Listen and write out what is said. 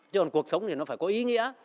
chứ còn cuộc sống thì nó phải có ý nghĩa